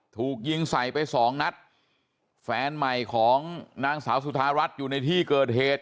ถูกยิงใส่ไปสองนัดแฟนใหม่ของนางสาวสุธารัฐอยู่ในที่เกิดเหตุ